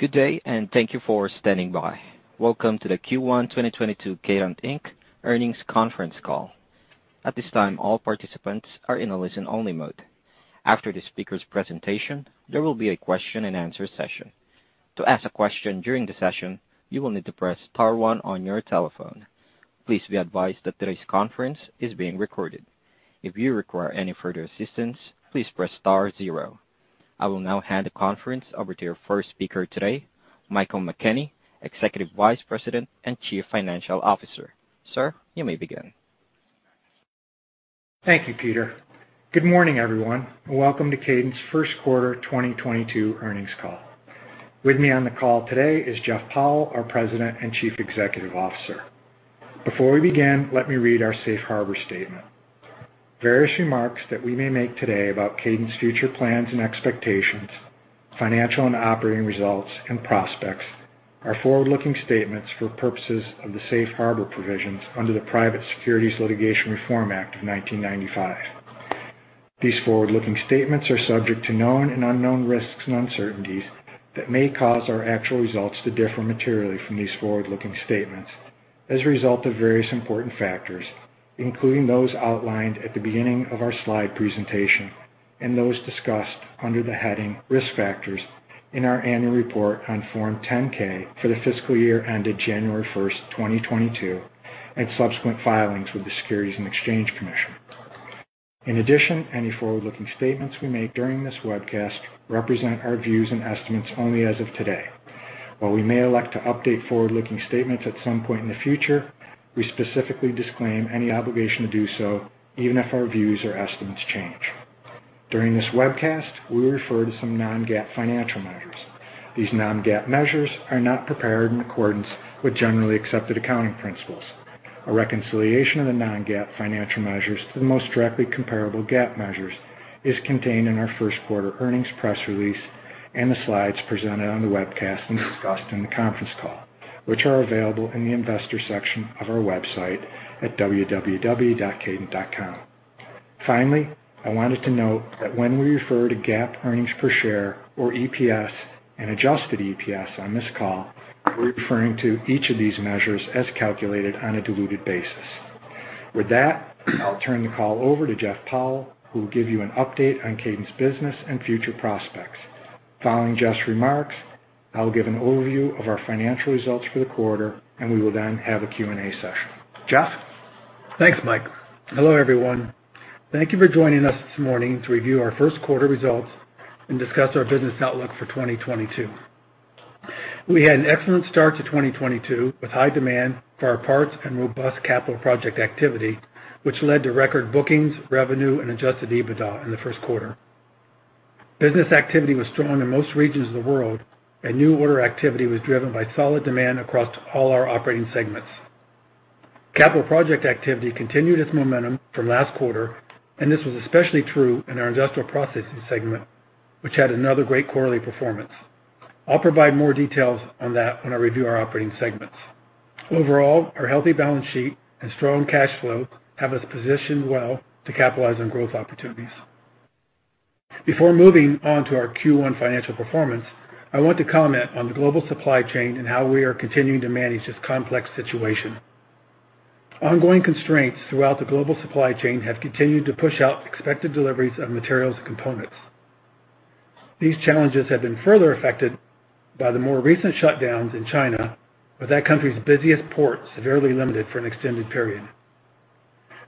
Good day, thank you for standing by. Welcome to the Q1 2022 Kadant Inc. Earnings Conference Call. At this time, all participants are in a listen-only mode. After the speaker's presentation, there will be a question-and-answer session. To ask a question during the session, you will need to press star one on your telephone. Please be advised that today's conference is being recorded. If you require any further assistance, please press star zero. I will now hand the conference over to your first speaker today, Michael J. McKenney, Executive Vice President and Chief Financial Officer. Sir, you may begin. Thank you, Peter. Good morning, everyone, and welcome to Kadant's first quarter 2022 earnings call. With me on the call today is Jeff Powell, our President and Chief Executive Officer. Before we begin, let me read our safe harbor statement. Various remarks that we may make today about Kadant's future plans and expectations, financial and operating results and prospects are forward-looking statements for purposes of the safe harbor provisions under the Private Securities Litigation Reform Act of 1995. These forward-looking statements are subject to known and unknown risks and uncertainties that may cause our actual results to differ materially from these forward-looking statements as a result of various important factors, including those outlined at the beginning of our slide presentation and those discussed under the heading Risk Factors in our annual report on Form 10-K for the fiscal year ended January 1, 2022, and subsequent filings with the Securities and Exchange Commission. In addition, any forward-looking statements we make during this webcast represent our views and estimates only as of today. While we may elect to update forward-looking statements at some point in the future, we specifically disclaim any obligation to do so even if our views or estimates change. During this webcast, we refer to some non-GAAP financial measures. These non-GAAP measures are not prepared in accordance with generally accepted accounting principles. A reconciliation of the non-GAAP financial measures to the most directly comparable GAAP measures is contained in our first quarter earnings press release and the slides presented on the webcast and discussed in the conference call, which are available in the Investors section of our website at www.kadant.com. Finally, I wanted to note that when we refer to GAAP earnings per share or EPS and adjusted EPS on this call, we're referring to each of these measures as calculated on a diluted basis. With that, I'll turn the call over to Jeff Powell, who will give you an update on Kadant's business and future prospects. Following Jeff's remarks, I will give an overview of our financial results for the quarter, and we will then have a Q&A session. Jeff? Thanks, Mike. Hello, everyone. Thank you for joining us this morning to review our first quarter results and discuss our business outlook for 2022. We had an excellent start to 2022 with high demand for our parts and robust capital project activity, which led to record bookings, revenue, and adjusted EBITDA in the first quarter. Business activity was strong in most regions of the world, and new order activity was driven by solid demand across all our operating segments. Capital project activity continued its momentum from last quarter, and this was especially true in our Industrial Processing segment, which had another great quarterly performance. I'll provide more details on that when I review our operating segments. Overall, our healthy balance sheet and strong cash flow have us positioned well to capitalize on growth opportunities. Before moving on to our Q1 financial performance, I want to comment on the global supply chain and how we are continuing to manage this complex situation. Ongoing constraints throughout the global supply chain have continued to push out expected deliveries of materials and components. These challenges have been further affected by the more recent shutdowns in China, with that country's busiest port severely limited for an extended period.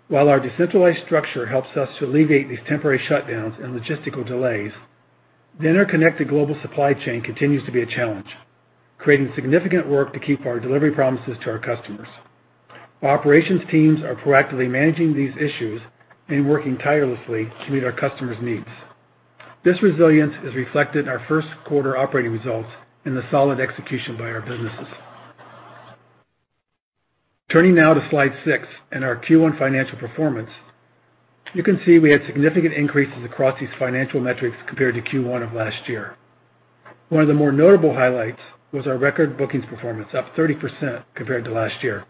While our decentralized structure helps us to alleviate these temporary shutdowns and logistical delays, the interconnected global supply chain continues to be a challenge, creating significant work to keep our delivery promises to our customers. Our operations teams are proactively managing these issues and working tirelessly to meet our customers' needs. This resilience is reflected in our first quarter operating results and the solid execution by our businesses. Turning now to slide six and our Q1 financial performance. You can see we had significant increases across these financial metrics compared to Q1 of last year. One of the more notable highlights was our record bookings performance, up 30% compared to last year.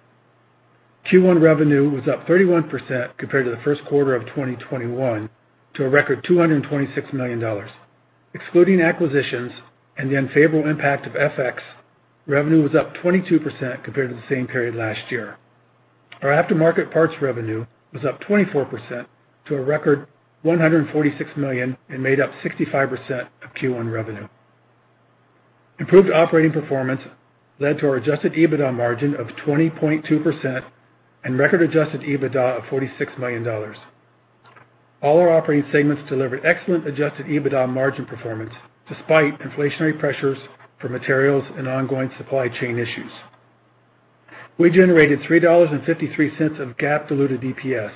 Q1 revenue was up 31% compared to the first quarter of 2021 to a record $226 million. Excluding acquisitions and the unfavorable impact of FX, revenue was up 22% compared to the same period last year. Our aftermarket parts revenue was up 24% to a record 146 million and made up 65% of Q1 revenue. Improved operating performance led to our adjusted EBITDA margin of 20.2% and record adjusted EBITDA of $46 million. All our operating segments delivered excellent adjusted EBITDA margin performance despite inflationary pressures for materials and ongoing supply chain issues. We generated 3.53 of GAAP diluted EPS,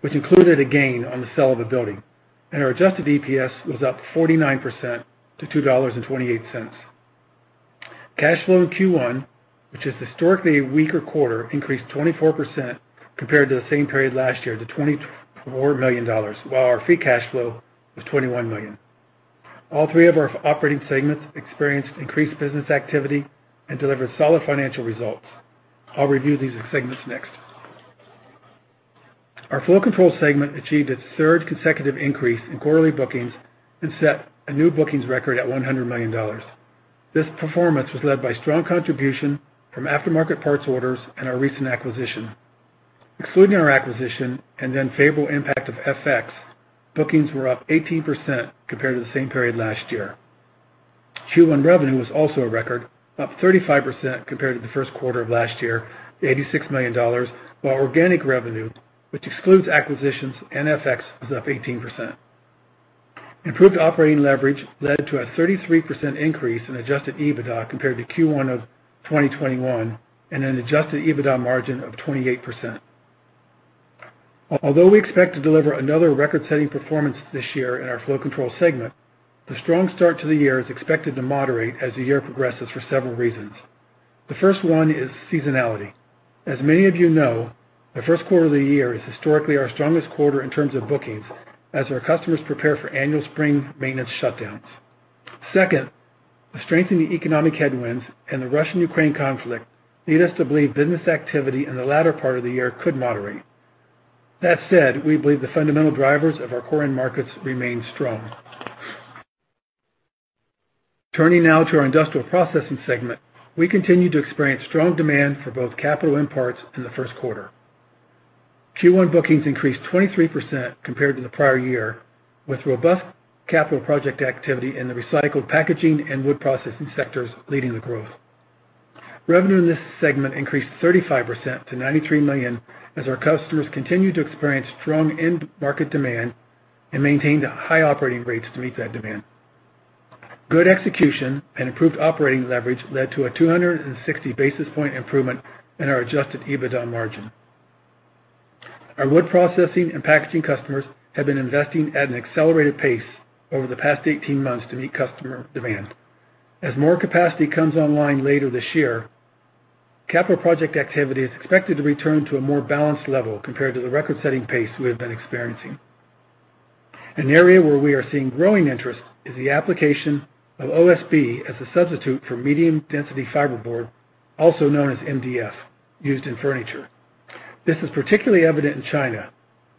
which included a gain on the sale of a building, and our adjusted EPS was up 49% to $2.28. Cash flow in Q1, which is historically a weaker quarter, increased 24% compared to the same period last year to $24 million, while our free cash flow was 21 million. All three of our operating segments experienced increased business activity and delivered solid financial results. I'll review these segments next. Our Flow Control segment achieved its third consecutive increase in quarterly bookings and set a new bookings record at $100 million. This performance was led by strong contribution from aftermarket parts orders and our recent acquisition. Excluding our acquisition and the unfavorable impact of FX, bookings were up 18% compared to the same period last year. Q1 revenue was also a record, up 35% compared to the first quarter of last year to $86 million, while organic revenue, which excludes acquisitions and FX, was up 18%. Improved operating leverage led to a 33% increase in adjusted EBITDA compared to Q1 of 2021 and an adjusted EBITDA margin of 28%. Although we expect to deliver another record-setting performance this year in our Flow Control segment, the strong start to the year is expected to moderate as the year progresses for several reasons. The first one is seasonality. As many of you know, the first quarter of the year is historically our strongest quarter in terms of bookings as our customers prepare for annual spring maintenance shutdowns. Second, the strength in the economic headwinds and the Russian-Ukraine conflict lead us to believe business activity in the latter part of the year could moderate. That said, we believe the fundamental drivers of our core end markets remain strong. Turning now to our Industrial Processing segment, we continue to experience strong demand for both capital and parts in the first quarter. Q1 bookings increased 23% compared to the prior year, with robust capital project activity in the recycled packaging and wood processing sectors leading the growth. Revenue in this segment increased 35% to 93 million as our customers continued to experience strong end market demand and maintained high operating rates to meet that demand. Good execution and improved operating leverage led to a 260 basis point improvement in our adjusted EBITDA margin. Our wood processing and packaging customers have been investing at an accelerated pace over the past 18 months to meet customer demand. As more capacity comes online later this year, capital project activity is expected to return to a more balanced level compared to the record-setting pace we have been experiencing. An area where we are seeing growing interest is the application of OSB as a substitute for medium density fiberboard, also known as MDF, used in furniture. This is particularly evident in China,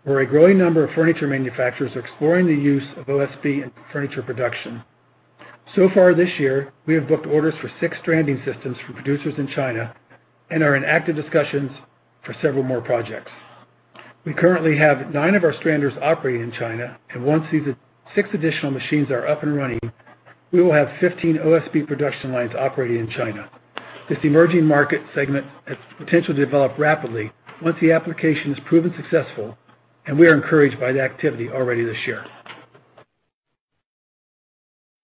where a growing number of furniture manufacturers are exploring the use of OSB in furniture production. So far this year, we have booked orders for six stranding systems from producers in China and are in active discussions for several more projects. We currently have nine of our Strander operating in China, and once these 6 additional machines are up and running, we will have 15 OSB production lines operating in China. This emerging market segment has potential to develop rapidly once the application is proven successful, and we are encouraged by the activity already this year.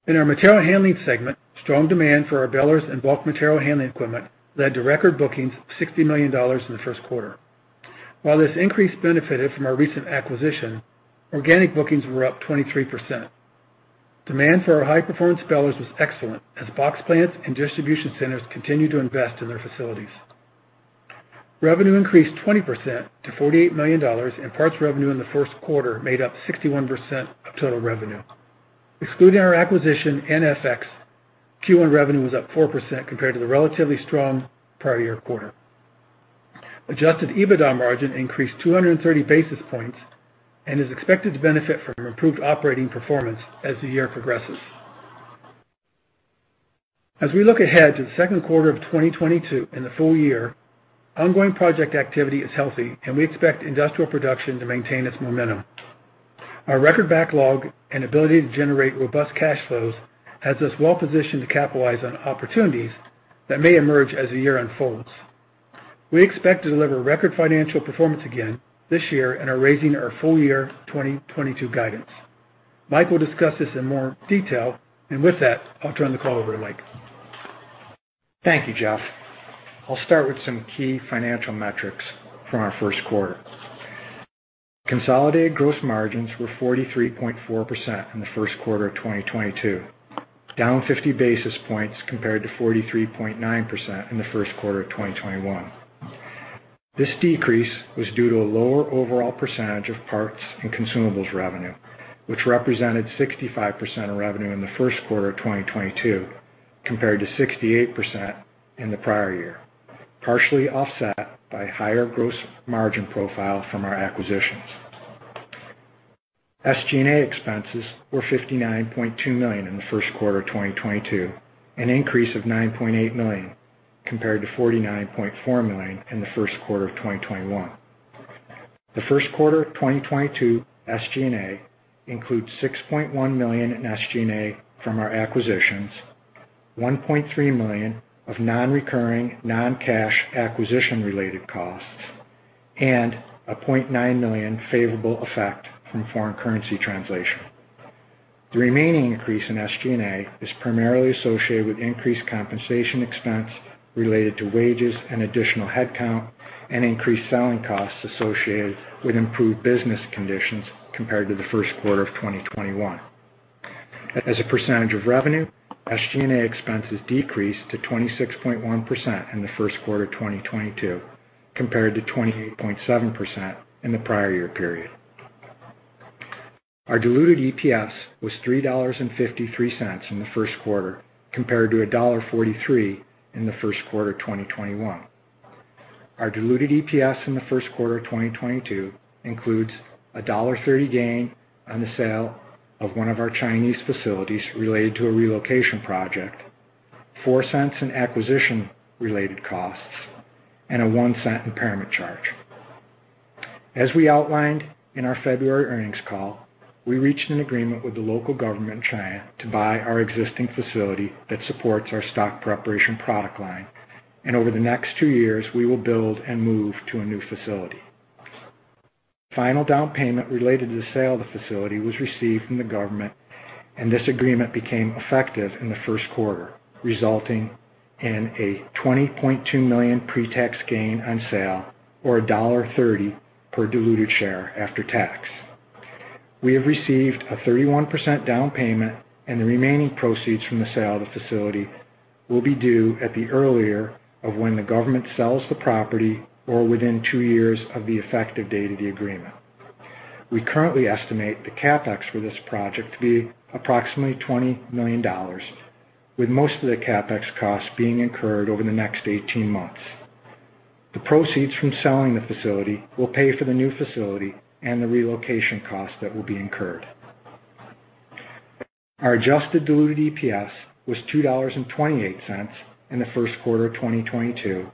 In our Material Handling segment, strong demand for our balers and bulk material handling equipment led to record bookings of $60 million in the first quarter. While this increase benefited from our recent acquisition, organic bookings were up 23%. Demand for our high-performance balers was excellent as box plants and distribution centers continued to invest in their facilities. Revenue increased 20% to $48 million, and parts revenue in the first quarter made up 61% of total revenue. Excluding our acquisition and FX, Q1 revenue was up 4% compared to the relatively strong prior year quarter. Adjusted EBITDA margin increased 230 basis points and is expected to benefit from improved operating performance as the year progresses. As we look ahead to the second quarter of 2022 and the full year, ongoing project activity is healthy, and we expect industrial production to maintain its momentum. Our record backlog and ability to generate robust cash flows has us well positioned to capitalize on opportunities that may emerge as the year unfolds. We expect to deliver record financial performance again this year and are raising our full year 2022 guidance. Mike will discuss this in more detail. With that, I'll turn the call over to Mike. Thank you, Jeff. I'll start with some key financial metrics from our first quarter. Consolidated gross margins were 43.4% in the first quarter of 2022, down 50 basis points compared to 43.9% in the first quarter of 2021. This decrease was due to a lower overall percentage of parts and consumables revenue, which represented 65% of revenue in the first quarter of 2022 compared to 68% in the prior year, partially offset by higher gross margin profile from our acquisitions. SG&A expenses were 59.2 million in the first quarter of 2022, an increase of 9.8 million compared to 49.4 million in the first quarter of 2021. The first quarter of 2022 SG&A includes 6.1 million in SG&A from our acquisitions, 1.3 million of non-recurring, non-cash acquisition-related costs, and 0.9 million favorable effect from foreign currency translation. The remaining increase in SG&A is primarily associated with increased compensation expense related to wages and additional headcount and increased selling costs associated with improved business conditions compared to the first quarter of 2021. As a percentage of revenue, SG&A expenses decreased to 26.1% in the first quarter of 2022 compared to 28.7% in the prior year period. Our diluted EPS was $3.53 in the first quarter compared to $1.43 in the first quarter of 2021. Our diluted EPS in the first quarter of 2022 includes a $1.30 gain on the sale of one of our Chinese facilities related to a relocation project, 0.04 in acquisition-related costs, and a 0.01 impairment charge. As we outlined in our February earnings call, we reached an agreement with the local government in China to buy our existing facility that supports our stock preparation product line, and over the next two years, we will build and move to a new facility. Final down payment related to the sale of the facility was received from the government, and this agreement became effective in the first quarter, resulting in a 20.2 million pre-tax gain on sale, or a $1.30 per diluted share after tax. We have received a 31% down payment and the remaining proceeds from the sale of the facility will be due at the earlier of when the government sells the property or within two years of the effective date of the agreement. We currently estimate the CapEx for this project to be approximately $20 million, with most of the CapEx costs being incurred over the next 18 months. The proceeds from selling the facility will pay for the new facility and the relocation costs that will be incurred. Our adjusted diluted EPS was $2.28 in the first quarter of 2022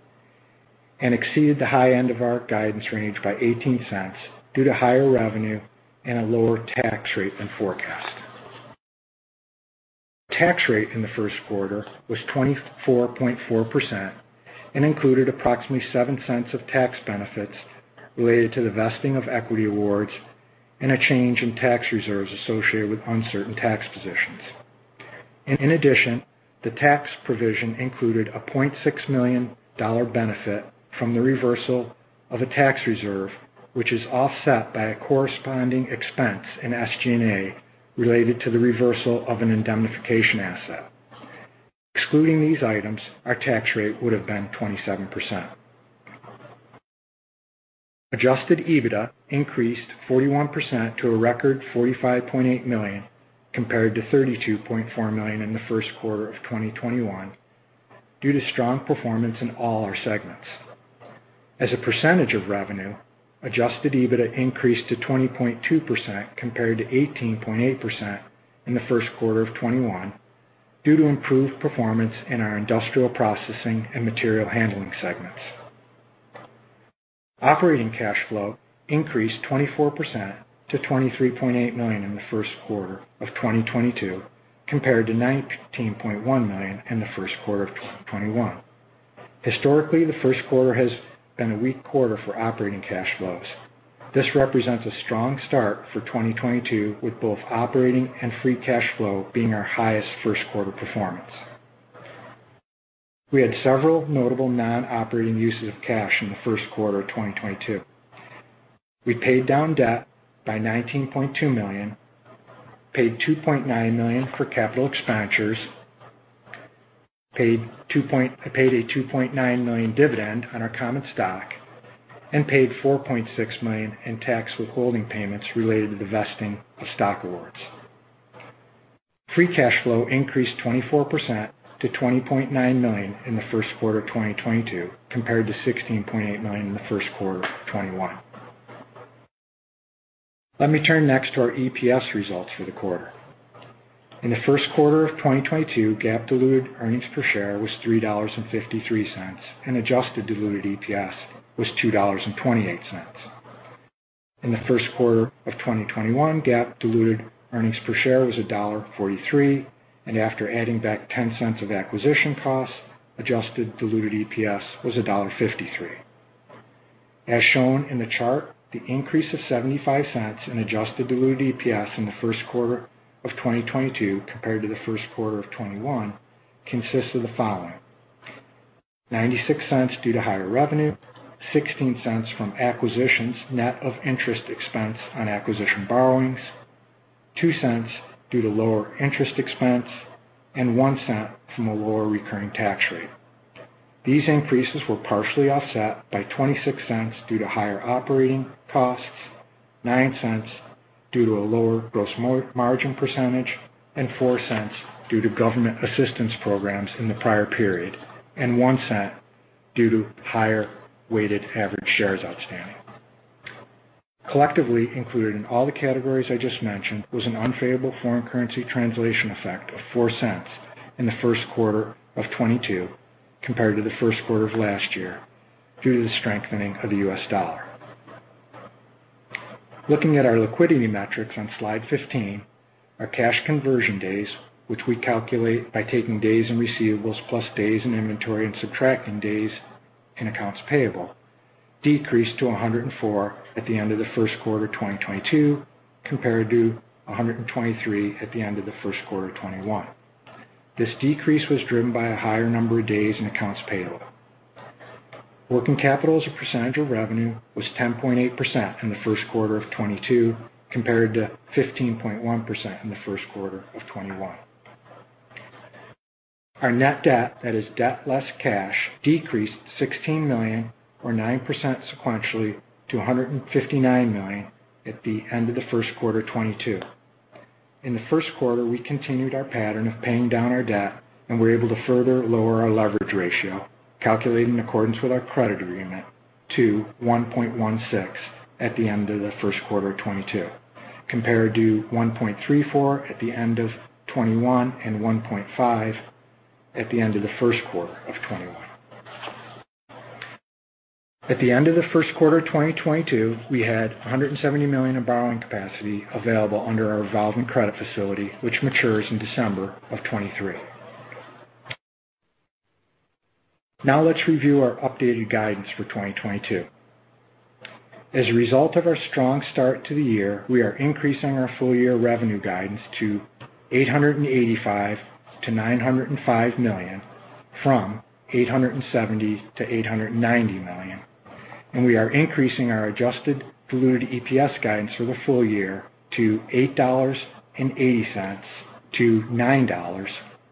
and exceeded the high end of our guidance range by 0.18 due to higher revenue and a lower tax rate than forecast. Tax rate in the first quarter was 24.4% and included approximately 0.07 of tax benefits related to the vesting of equity awards and a change in tax reserves associated with uncertain tax positions. In addition, the tax provision included a $0.6 million benefit from the reversal of a tax reserve, which is offset by a corresponding expense in SG&A related to the reversal of an indemnification asset. Excluding these items, our tax rate would have been 27%. Adjusted EBITDA increased 41% to a record 45.8 million compared to 32.4 million in the first quarter of 2021 due to strong performance in all our segments. As a percentage of revenue, adjusted EBITDA increased to 20.2% compared to 18.8% in the first quarter of 2021 due to improved performance in our Industrial Processing and Material Handling segments. Operating cash flow increased 24% to 23.8 million in the first quarter of 2022 compared to 19.1 million in the first quarter of 2021. Historically, the first quarter has been a weak quarter for operating cash flows. This represents a strong start for 2022 with both operating and free cash flow being our highest first quarter performance. We had several notable non-operating uses of cash in the first quarter of 2022. We paid down debt by 19.2 million, paid 2.9 million for capital expenditures, paid a 2.9 million dividend on our common stock, and paid 4.6 million in tax withholding payments related to the vesting of stock awards. Free cash flow increased 24% to 20.9 million in the first quarter of 2022 compared to 16.8 million in the first quarter of 2021. Let me turn next to our EPS results for the quarter. In the first quarter of 2022, GAAP diluted earnings per share was $3.53, and adjusted diluted EPS was $2.28. In the first quarter of 2021, GAAP diluted earnings per share was $1.43, and after adding back 0.10 of acquisition costs, adjusted diluted EPS was $1.53. As shown in the chart, the increase of 0.75 in adjusted diluted EPS in the first quarter of 2022 compared to the first quarter of 2021 consists of the following, 0.96 due to higher revenue, 0.16 from acquisitions net of interest expense on acquisition borrowings, 0.02 due to lower interest expense, and 0.01 from a lower recurring tax rate. These increases were partially offset by 0.26 due to higher operating costs, 0.09 due to a lower gross margin percentage, and 0.04 due to government assistance programs in the prior period, and 0.01 due to higher weighted average shares outstanding. Collectively included in all the categories I just mentioned was an unfavorable foreign currency translation effect of 0.04 in the first quarter of 2022 compared to the first quarter of last year due to the strengthening of the U.S. dollar. Looking at our liquidity metrics on slide 15, our cash conversion days, which we calculate by taking days in receivables plus days in inventory and subtracting days in accounts payable, decreased to 104 at the end of the first quarter of 2022 compared to 123 at the end of the first quarter of 2021. This decrease was driven by a higher number of days in accounts payable. Working capital as a percentage of revenue was 10.8% in the first quarter of 2022 compared to 15.1% in the first quarter of 2021. Our net debt, that is debt less cash, decreased 16 million or 9% sequentially to 159 million at the end of the first quarter of 2022. In the first quarter, we continued our pattern of paying down our debt, and we were able to further lower our leverage ratio, calculated in accordance with our credit agreement to 1.16 at the end of the first quarter of 2022, compared to 1.34 at the end of 2021 and 1.5 at the end of the first quarter of 2021. At the end of the first quarter of 2022, we had 170 million in borrowing capacity available under our revolving credit facility, which matures in December of 2023. Now let's review our updated guidance for 2022. As a result of our strong start to the year, we are increasing our full-year revenue guidance to 885 million-905 million from 870 million-890 million, and we are increasing our adjusted diluted EPS guidance for the full year to $8.80-$9.00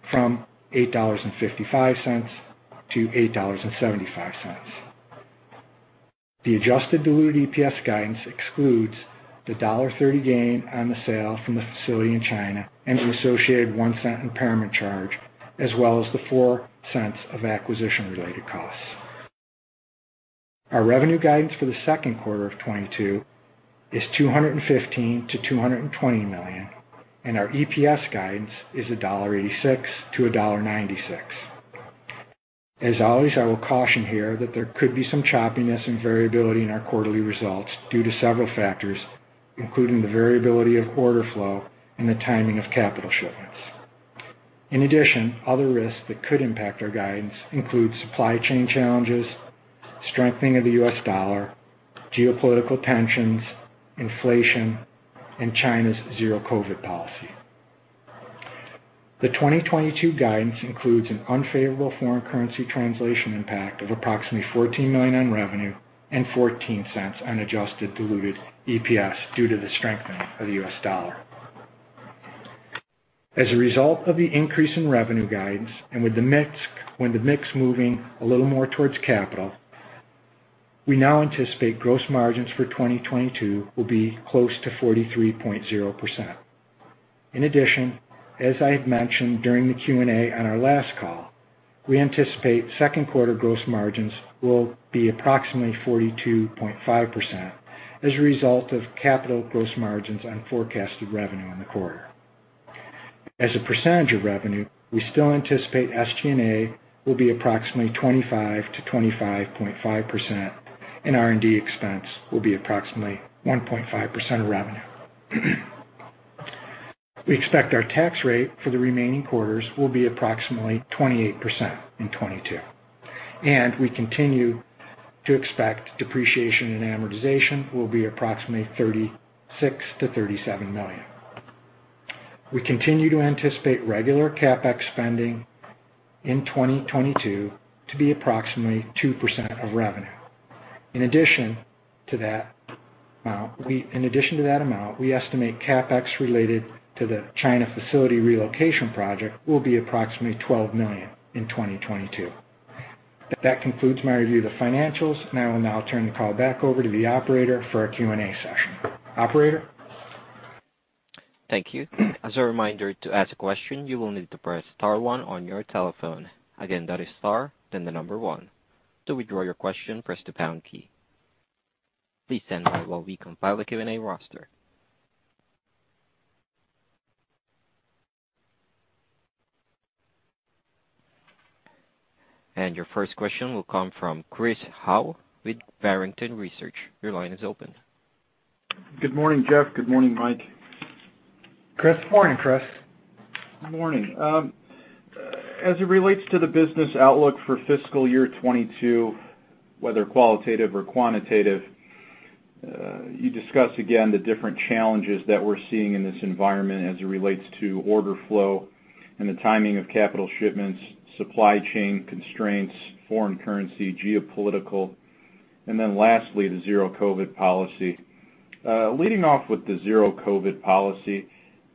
from $8.55-$8.75. The adjusted diluted EPS guidance excludes the $1.30 gain on the sale from the facility in China and the associated 0.01 impairment charge, as well as the 0.04 of acquisition-related costs. Our revenue guidance for the second quarter of 2022 is 215 million-220 million, and our EPS guidance is $1.86-$1.96. As always, I will caution here that there could be some choppiness and variability in our quarterly results due to several factors, including the variability of order flow and the timing of capital shipments. In addition, other risks that could impact our guidance include supply chain challenges, strengthening of the U.S. dollar, geopolitical tensions, inflation, and China's zero-COVID policy. The 2022 guidance includes an unfavorable foreign currency translation impact of approximately 14 million in revenue and 0.14 on adjusted diluted EPS due to the strengthening of the U.S. dollar. As a result of the increase in revenue guidance and with the mix moving a little more towards capital, we now anticipate gross margins for 2022 will be close to 43.0%. In addition, as I had mentioned during the Q&A on our last call, we anticipate second quarter gross margins will be approximately 42.5% as a result of capital gross margins on forecasted revenue in the quarter. As a percentage of revenue, we still anticipate SG&A will be approximately 25%-25.5%, and R&D expense will be approximately 1.5% of revenue. We expect our tax rate for the remaining quarters will be approximately 28% in 2022, and we continue to expect depreciation and amortization will be approximately 36 million-37 million. We continue to anticipate regular CapEx spending in 2022 to be approximately 2% of revenue. In addition to that amount, we estimate CapEx related to the China facility relocation project will be approximately 12 million in 2022. That concludes my review of the financials, and I will now turn the call back over to the operator for our Q&A session. Operator? Thank you. As a reminder, to ask a question, you will need to press star one on your telephone. Again, that is star, then the number one. To withdraw your question, press the pound key. Please stand by while we compile the Q&A roster. Your first question will come from Chris Howe with Barrington Research. Your line is open. Good morning, Jeff. Good morning, Mike. Chris, morning, Chris. Morning. As it relates to the business outlook for fiscal year 2022, whether qualitative or quantitative, you discuss again the different challenges that we're seeing in this environment as it relates to order flow and the timing of capital shipments, supply chain constraints, foreign currency, geopolitical, and then lastly, the zero-COVID policy. Leading off with the zero-COVID policy,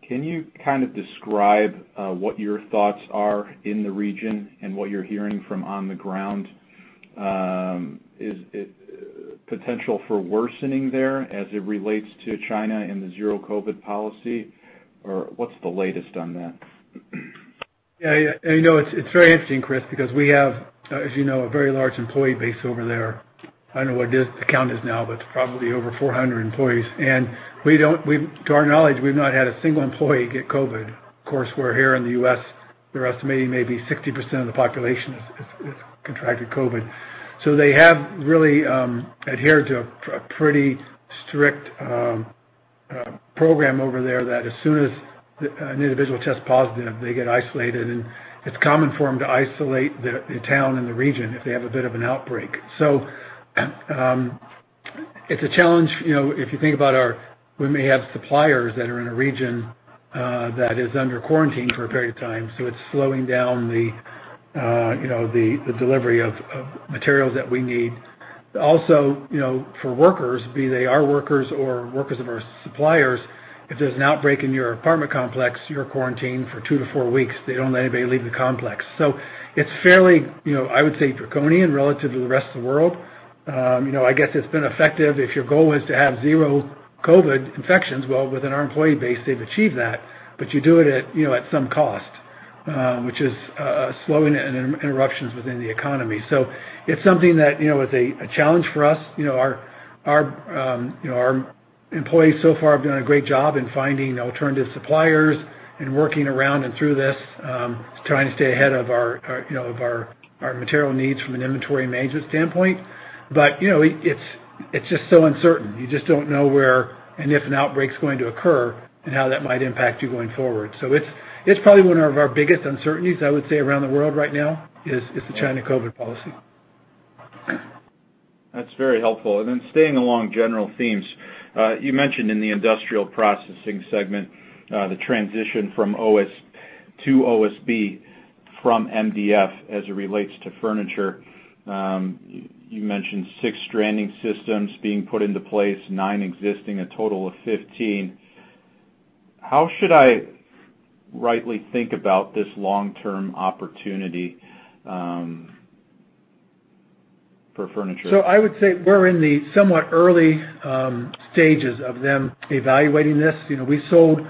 can you kind of describe what your thoughts are in the region and what you're hearing from on the ground? Is it potential for worsening there as it relates to China and the zero-COVID policy? Or what's the latest on that? Yeah, I know it's very interesting, Chris, because we have, as you know, a very large employee base over there. I don't know what it is—the count is now, but it's probably over 400 employees. To our knowledge, we've not had a single employee get COVID. Of course, we're here in the U.S. They're estimating maybe 60% of the population has contracted COVID. They have really adhered to a pretty strict program over there that as soon as an individual tests positive, they get isolated, and it's common for them to isolate the town and the region if they have a bit of an outbreak. It's a challenge, you know, if you think about our. We may have suppliers that are in a region that is under quarantine for a period of time, so it's slowing down, you know, the delivery of materials that we need. Also, you know, for workers, be they our workers or workers of our suppliers, if there's an outbreak in your apartment complex, you're quarantined for two-four weeks. They don't let anybody leave the complex. It's fairly, you know, I would say, draconian relative to the rest of the world. You know, I guess it's been effective if your goal is to have zero-COVID infections, well, within our employee base, they've achieved that, but you do it at, you know, at some cost, which is slowing and interruptions within the economy. It's something that, you know, is a challenge for us. You know, our employees so far have done a great job in finding alternative suppliers and working around and through this, trying to stay ahead of our material needs from an inventory management standpoint. You know, it's just so uncertain. You just don't know where and if an outbreak's going to occur and how that might impact you going forward. It's probably one of our biggest uncertainties, I would say, around the world right now, is the China COVID policy. That's very helpful. Staying along general themes, you mentioned in the Industrial Processing segment, the transition from OS to OSB from MDF as it relates to furniture. You mentioned six stranding systems being put into place, nine existing, a total of 15. How should I rightly think about this long-term opportunity, for furniture? I would say we're in the somewhat early stages of them evaluating this. You know, we sold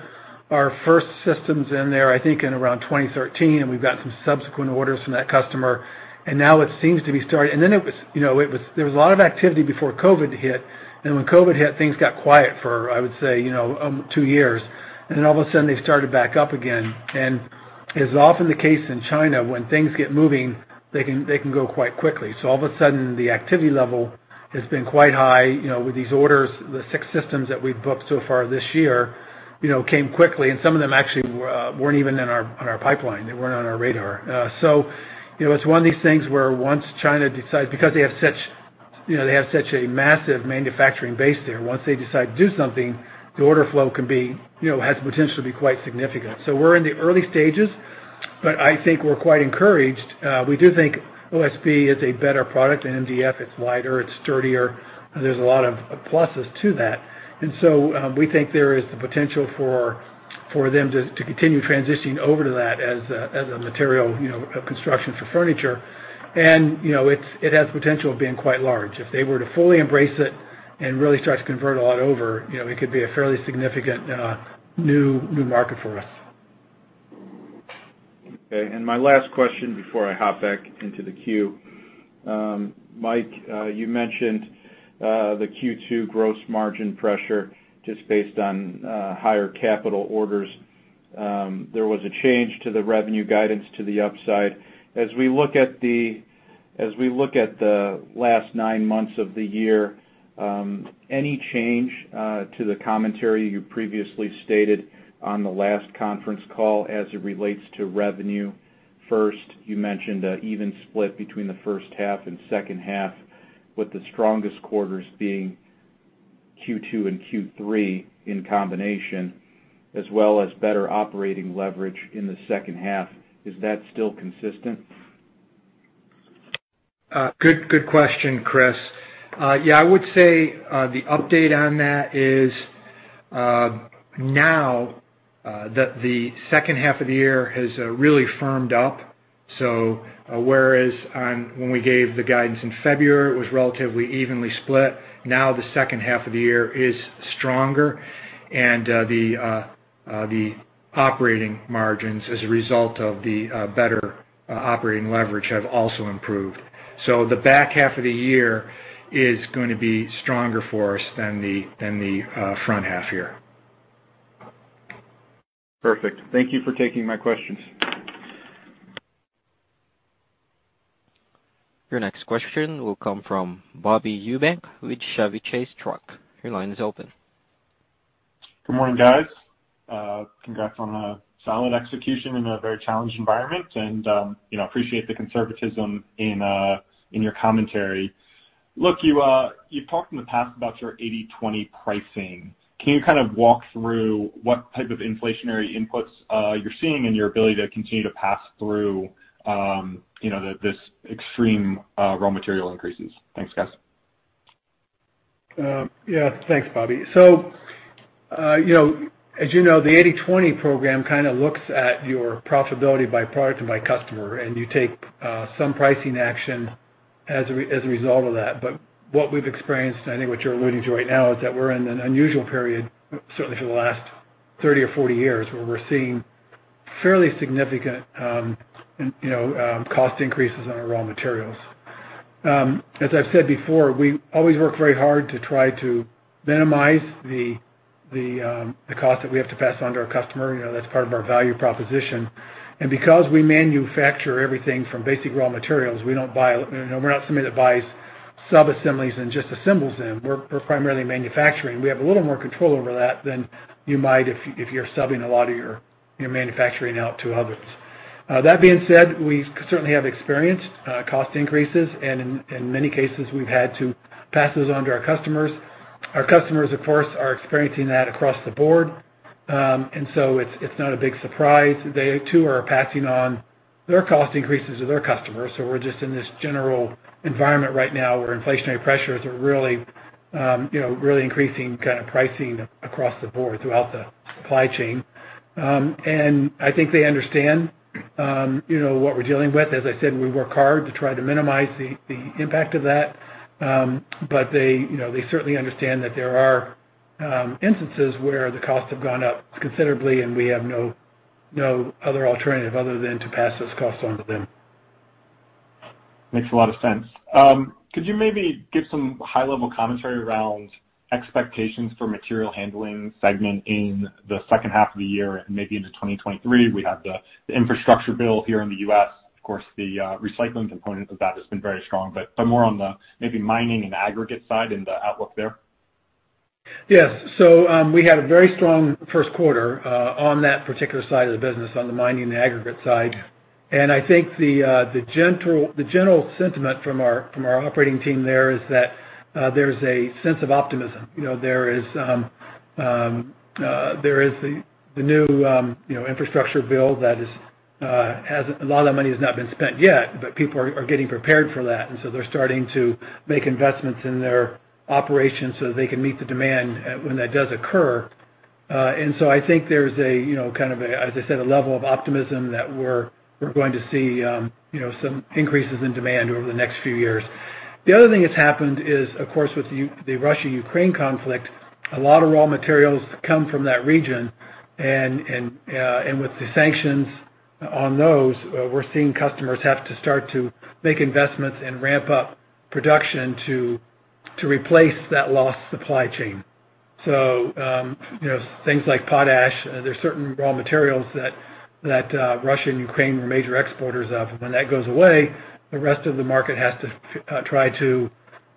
our first systems in there, I think, in around 2013, and we've got some subsequent orders from that customer. Now it seems to be starting. Then it was, you know, there was a lot of activity before COVID hit. When COVID hit, things got quiet for, I would say, you know, two years. Then all of a sudden, they started back up again. As is often the case in China, when things get moving, they can go quite quickly. All of a sudden, the activity level has been quite high, you know, with these orders. The six systems that we've booked so far this year, you know, came quickly, and some of them actually weren't even in our, on our pipeline. They weren't on our radar. You know, it's one of these things where once China decides, because they have such, you know, they have such a massive manufacturing base there, once they decide to do something, the order flow can be, you know, has the potential to be quite significant. We're in the early stages, but I think we're quite encouraged. We do think OSB is a better product than MDF. It's lighter, it's sturdier. There's a lot of plusses to that. We think there is the potential for them to continue transitioning over to that as a material, you know, of construction for furniture. You know, it has potential of being quite large. If they were to fully embrace it and really start to convert a lot over, you know, it could be a fairly significant new market for us. Okay. My last question before I hop back into the queue. Mike, you mentioned the Q2 gross margin pressure just based on higher capital orders. There was a change to the revenue guidance to the upside. As we look at the last nine months of the year, any change to the commentary you previously stated on the last conference call as it relates to revenue? First, you mentioned an even split between the first half and second half, with the strongest quarters being Q2 and Q3 in combination, as well as better operating leverage in the second half. Is that still consistent? Good question, Chris. Yeah, I would say, the update on that is, now, the second half of the year has really firmed up. Whereas when we gave the guidance in February, it was relatively evenly split. Now the second half of the year is stronger, and the operating margins as a result of the better operating leverage have also improved. The back half of the year is going to be stronger for us than the front half year. Perfect. Thank you for taking my questions. Your next question will come from Bobby Eubank with Chevy Chase Trust. Your line is open. Good morning, guys. Congrats on a solid execution in a very challenged environment and, you know, appreciate the conservatism in your commentary. Look, you've talked in the past about your 80/20 pricing. Can you kind of walk through what type of inflationary inputs you're seeing in your ability to continue to pass through, you know, these extreme raw material increases? Thanks, guys. Yeah. Thanks, Bobby. You know, as you know, the 80/20 program kind of looks at your profitability by product and by customer, and you take some pricing action as a result of that. What we've experienced, I think what you're alluding to right now, is that we're in an unusual period, certainly for the last 30 or 40 years, where we're seeing fairly significant cost increases on our raw materials. As I've said before, we always work very hard to try to minimize the cost that we have to pass on to our customer. You know, that's part of our value proposition. Because we manufacture everything from basic raw materials, we don't buy, you know, we're not somebody that buys subassemblies and just assembles them. We're primarily manufacturing. We have a little more control over that than you might if you're subbing a lot of your manufacturing out to others. That being said, we certainly have experienced cost increases, and in many cases, we've had to pass those on to our customers. Our customers, of course, are experiencing that across the board. It's not a big surprise. They too are passing on their cost increases to their customers. We're just in this general environment right now where inflationary pressures are really, you know, really increasing kind of pricing across the board throughout the supply chain. I think they understand, you know, what we're dealing with. As I said, we work hard to try to minimize the impact of that. They, you know, they certainly understand that there are instances where the costs have gone up considerably, and we have no other alternative other than to pass those costs on to them. Makes a lot of sense. Could you maybe give some high-level commentary around expectations for Material Handling segment in the second half of the year and maybe into 2023? We have the infrastructure bill here in the U.S. Of course, the recycling component of that has been very strong, but more on the maybe mining and aggregate side and the outlook there. Yes, we had a very strong first quarter on that particular side of the business, on the mining and aggregate side. I think the general sentiment from our operating team there is that there's a sense of optimism. You know, there is the new infrastructure bill. A lot of that money has not been spent yet, but people are getting prepared for that. They're starting to make investments in their operations so that they can meet the demand when that does occur. I think there's you know, kind of a, as I said, a level of optimism that we're going to see some increases in demand over the next few years. The other thing that's happened is, of course, with the Russia-Ukraine conflict, a lot of raw materials come from that region. With the sanctions on those, we're seeing customers have to start to make investments and ramp up production to replace that lost supply chain. You know, things like potash, there's certain raw materials that Russia and Ukraine were major exporters of. When that goes away, the rest of the market has to try to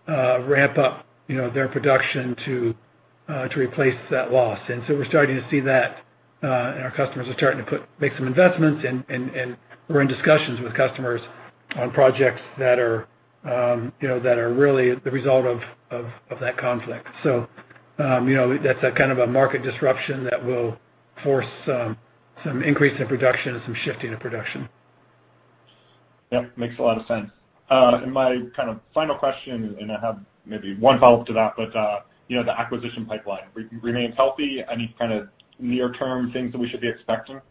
ramp up, you know, their production to replace that loss. We're starting to see that, and our customers are starting to make some investments. We're in discussions with customers on projects that are, you know, that are really the result of that conflict. You know, that's a kind of a market disruption that will force some increase in production and some shifting of production. Yep. Makes a lot of sense. My kind of final question, and I have maybe one follow-up to that, but you know, the acquisition pipeline remains healthy. Any kind of near-term things that we should be expecting?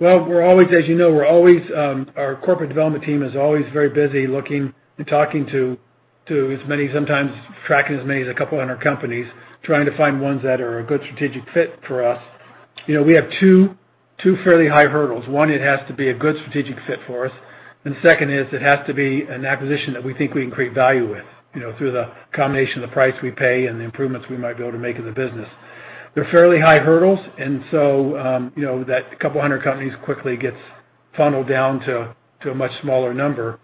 Well, as you know, we're always our corporate development team is always very busy looking and talking to as many, sometimes tracking as many as a couple hundred companies, trying to find ones that are a good strategic fit for us. You know, we have two fairly high hurdles. One, it has to be a good strategic fit for us. Second is it has to be an acquisition that we think we can create value with, you know, through the combination of the price we pay and the improvements we might be able to make in the business. They're fairly high hurdles. You know, that couple hundred companies quickly gets funneled down to a much smaller number.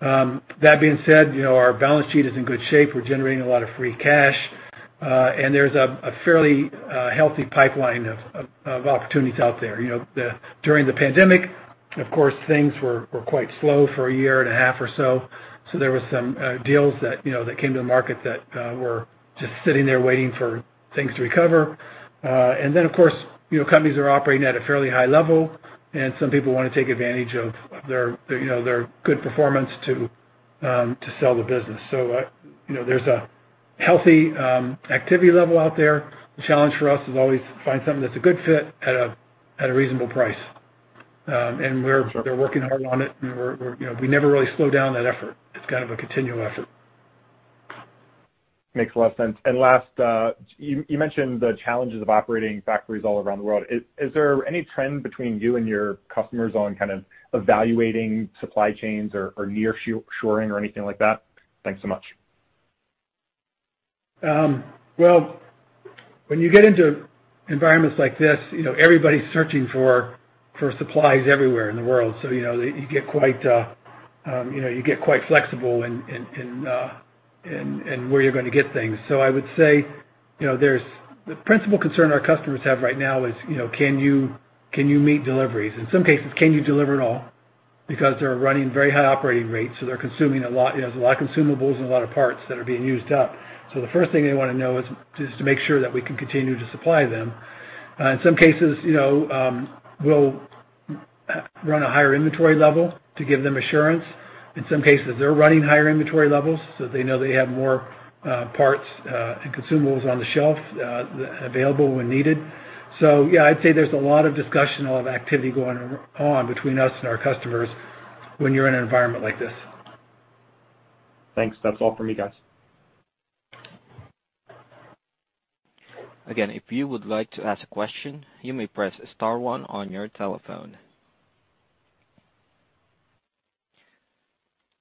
That being said, you know, our balance sheet is in good shape. We're generating a lot of free cash. There's a fairly healthy pipeline of opportunities out there. You know, during the pandemic, of course, things were quite slow for a year and a half or so. There was some deals that you know came to the market that were just sitting there waiting for things to recover. Of course, you know, companies are operating at a fairly high level, and some people want to take advantage of their you know good performance to sell the business. You know, there's a healthy activity level out there. The challenge for us is always find something that's a good fit at a reasonable price. We're- Sure. We're working hard on it, and we're, you know, we never really slow down that effort. It's kind of a continual effort. Makes a lot of sense. Last, you mentioned the challenges of operating factories all around the world. Is there any trend between you and your customers on kind of evaluating supply chains or nearshoring or anything like that? Thanks so much. Well, when you get into environments like this, you know, everybody's searching for supplies everywhere in the world. You know, you get quite flexible in where you're going to get things. I would say, you know, there's the principal concern our customers have right now is, you know, can you meet deliveries? In some cases, can you deliver at all? Because they're running very high operating rates, so they're consuming a lot, you know, there's a lot of consumables and a lot of parts that are being used up. The first thing they want to know is just to make sure that we can continue to supply them. In some cases, you know, we'll run a higher inventory level to give them assurance. In some cases, they're running higher inventory levels, so they know they have more, parts, and consumables on the shelf, available when needed. Yeah, I'd say there's a lot of discussion, a lot of activity going on between us and our customers when you're in an environment like this. Thanks. That's all for me, guys. Again, if you would like to ask a question, you may press star one on your telephone.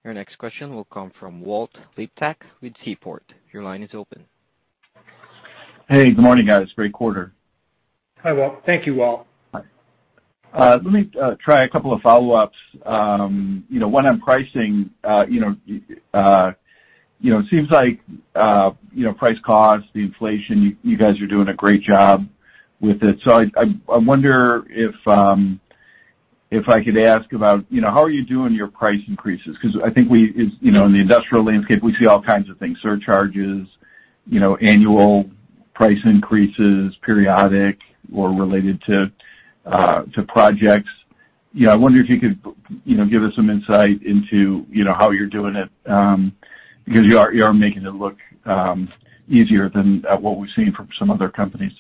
Your next question will come from Walter Liptak with Seaport Global. Your line is open. Hey, good morning, guys. Great quarter. Hi, Walt. Thank you, Walt. Let me try a couple of follow-ups. You know, one on pricing. You know, it seems like price cost, the inflation, you guys are doing a great job with it. I wonder if I could ask about how are you doing your price increases? 'Cause I think, you know, in the industrial landscape, we see all kinds of things. Surcharges, you know, annual price increases, periodic or related to projects. You know, I wonder if you could give us some insight into how you're doing it because you are making it look easier than what we've seen from some other companies.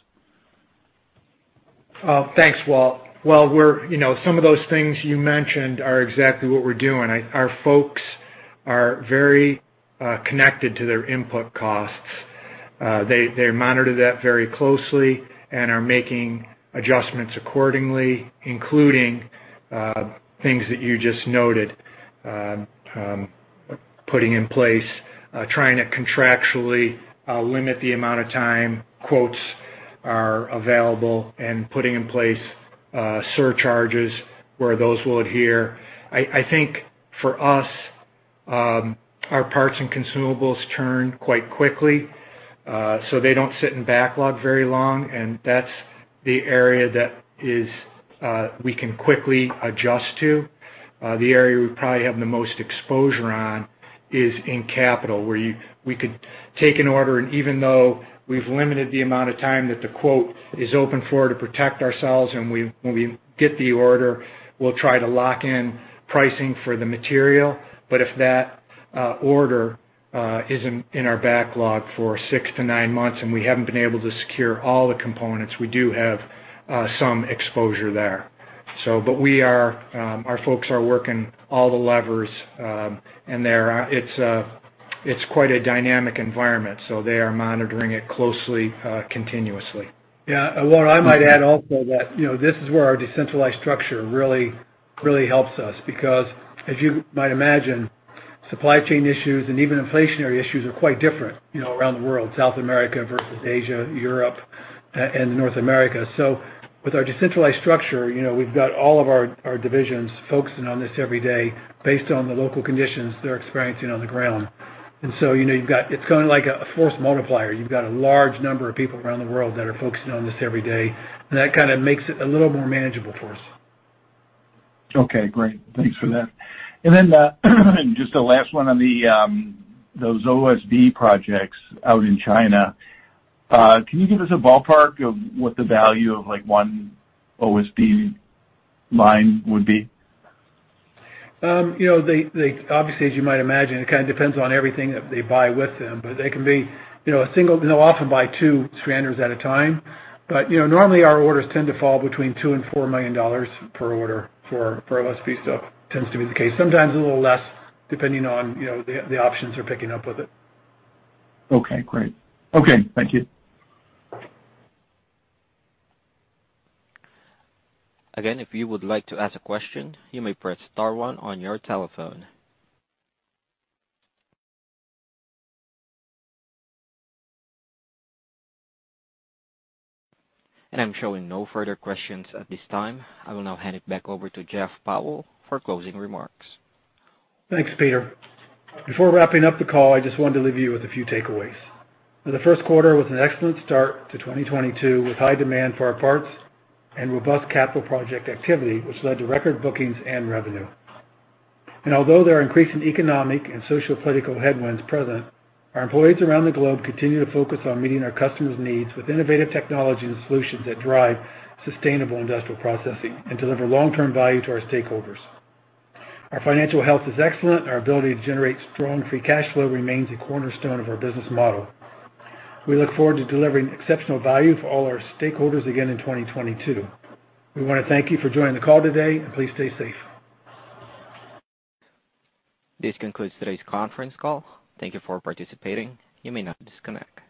Thanks, Walt. Well, we're, you know, some of those things you mentioned are exactly what we're doing. Our folks are very connected to their input costs. They monitor that very closely and are making adjustments accordingly, including things that you just noted, putting in place trying to contractually limit the amount of time quotes are available and putting in place surcharges where those will adhere. I think for us, our parts and consumables turn quite quickly, so they don't sit in backlog very long, and that's the area that we can quickly adjust to. The area we probably have the most exposure on is in capital, where we could take an order, and even though we've limited the amount of time that the quote is open for to protect ourselves and when we get the order, we'll try to lock in pricing for the material. But if that order is in our backlog for six-nine months and we haven't been able to secure all the components, we do have some exposure there. But we are. Our folks are working all the levers, and they're. It's quite a dynamic environment, so they are monitoring it closely, continuously. Yeah. Walt, I might add also that, you know, this is where our decentralized structure really, really helps us because as you might imagine, supply chain issues and even inflationary issues are quite different, you know, around the world, South America versus Asia, Europe, and North America. With our decentralized structure, you know, we've got all of our divisions focusing on this every day based on the local conditions they're experiencing on the ground. You know, you've got, it's kind of like a force multiplier. You've got a large number of people around the world that are focusing on this every day, and that kind of makes it a little more manageable for us. Okay, great. Thanks for that. Just the last one on the those OSB projects out in China. Can you give us a ballpark of what the value of, like, one OSB line would be? You know, they obviously, as you might imagine, it kind of depends on everything that they buy with them, but they can be, you know, they'll often buy two Strander at a time. You know, normally our orders tend to fall between $2 million and $4 million per order for OSB stuff. Tends to be the case. Sometimes a little less, depending on, you know, the options they're picking up with it. Okay, great. Okay, thank you. Again, if you would like to ask a question, you may press star one on your telephone. I'm showing no further questions at this time. I will now hand it back over to Jeff Powell for closing remarks. Thanks, Peter. Before wrapping up the call, I just wanted to leave you with a few takeaways. The first quarter was an excellent start to 2022, with high demand for our parts and robust capital project activity, which led to record bookings and revenue. Although there are increasing economic and socio-political headwinds present, our employees around the globe continue to focus on meeting our customers' needs with innovative technologies and solutions that drive sustainable industrial processing and deliver long-term value to our stakeholders. Our financial health is excellent, and our ability to generate strong free cash flow remains a cornerstone of our business model. We look forward to delivering exceptional value for all our stakeholders again in 2022. We want to thank you for joining the call today, and please stay safe. This concludes today's conference call. Thank you for participating. You may now disconnect.